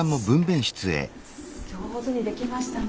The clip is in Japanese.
上手にできましたね。